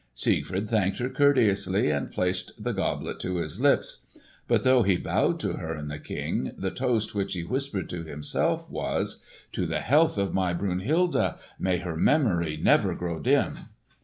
Siegfried thanked her courteously and placed the goblet to his lips. But though he bowed to her and the King, the toast which he whispered to himself was, "To the health of my Brunhilde! May her memory never grow dim!"